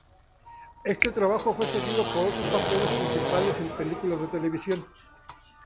Este trabajo fue seguido por otros papeles principales en películas de televisión.